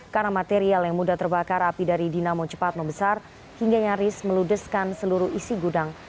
karena material yang mudah terbakar api dari dinamo cepat membesar hingga nyaris meludeskan seluruh isi gudang